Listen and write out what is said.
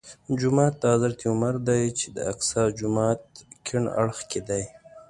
جومات د حضرت عمر دی چې د اقصی جومات کیڼ اړخ کې دی.